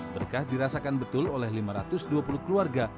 berkah dirasakan betul oleh lima ratus dua puluh keluarga